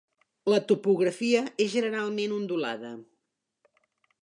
La topografia és generalment ondulada.